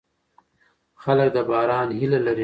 خلک د باران هیله لري.